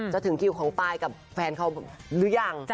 ถึงคิวของปายกับแฟนเขาหรือยัง